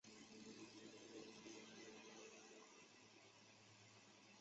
恐怖地形图主要的镇压机构盖世太保和党卫军总部的建筑遗址上。